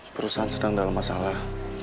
perusahaan sedang dalam masalah